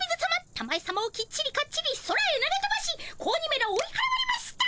たまえさまをきっちりかっちり空へ投げとばし子鬼めらを追いはらわれました。